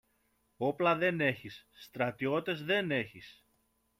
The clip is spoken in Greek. Όπλα δεν έχεις, στρατιώτες δεν έχεις.